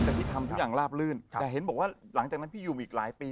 แต่พี่ทำทุกอย่างลาบลื่นแต่เห็นบอกว่าหลังจากนั้นพี่อยู่อีกหลายปี